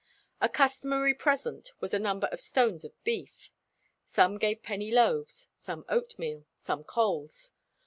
A customary present was a number of stones of beef. Some gave penny loaves, some oatmeal, some coals.